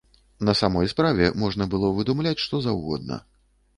На самой справе можна было выдумляць, што заўгодна.